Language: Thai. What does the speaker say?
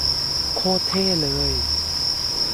โคตรเท่เลย